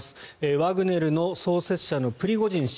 ワグネルの創設者のプリゴジン氏